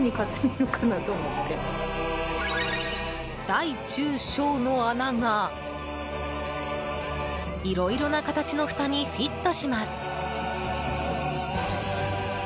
大中小の穴がいろいろな形のふたにフィットします。